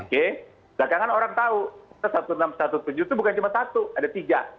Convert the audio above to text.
belakangan orang tahu enam ratus tujuh belas itu bukan cuma satu ada tiga